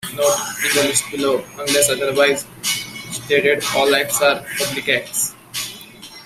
Note: In the lists below, unless otherwise stated, all Acts are Public Acts.